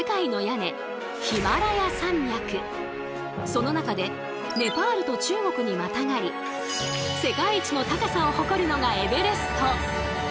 その中でネパールと中国にまたがり世界一の高さを誇るのがエベレスト！